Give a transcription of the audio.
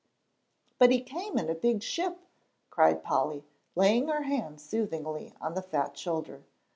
"But he came in a big ship," cried Polly, laying her hand soothingly on the fat shoulder.